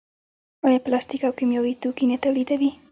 آیا پلاستیک او کیمیاوي توکي نه تولیدوي؟